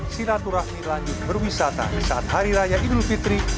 sinaturahmi lanjut berwisata di saat hari raya idul fitri